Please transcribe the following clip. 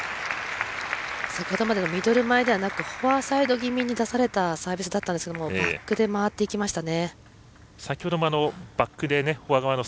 先ほどのようなミドル気味ではなくフォアサイド気味に出されたサービスだったんですがバックで回っていきましたね。